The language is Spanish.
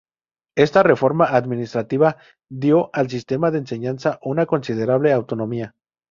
Esta reforma administrativa dio al sistema de enseñanza una considerable autonomía.